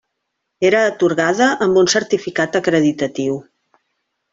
Era atorgada amb un certificat acreditatiu.